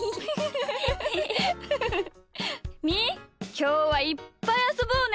きょうはいっぱいあそぼうね。